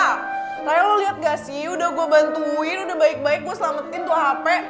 kayak lo liat gak sih udah gue bantuin udah baik baik gue selametin tuh handphone